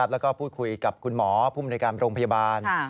แล้วก็พูดคุยกับคุณหมอภูมิในการโรงพยาบาล